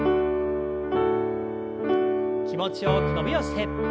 気持ちよく伸びをして。